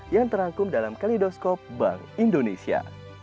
yang terangkum dalam kalidoskop bank indonesia